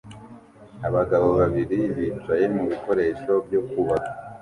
Abagabo babiri bicaye mubikoresho byo kubaka